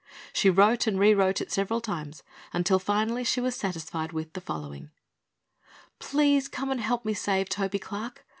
She wrote and rewrote it several times, until finally she was satisfied with the following: "Please come and help me save Toby Clark.